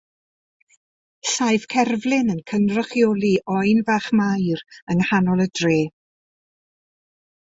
Saif cerflun yn cynrychioli Oen Fach Mair yng nghanol y dref.